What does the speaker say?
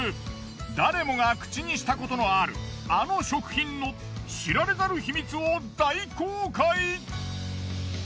誰もが口にしたことのあるあの食品の知られざる秘密を大公開！